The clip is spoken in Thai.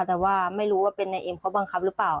แต่ว่าไม่รู้ว่าเป็นนายเอ็มเขาบังคับหรือเปล่า